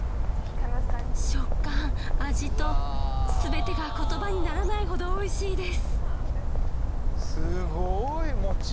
食感味とすべてが言葉にならないほど美味しいです。